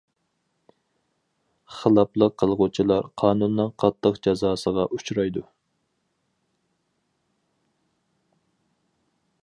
خىلاپلىق قىلغۇچىلار قانۇننىڭ قاتتىق جازاسىغا ئۇچرايدۇ.